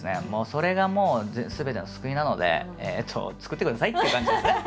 それがもうすべての救いなので作ってくださいっていう感じですね。